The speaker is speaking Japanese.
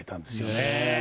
ねえ。